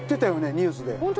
ニュースで。